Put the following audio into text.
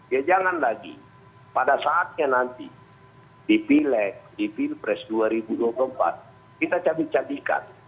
ya jangan lagi pada saatnya nanti di pileg di pilpres dua ribu dua puluh empat kita cabik cabikan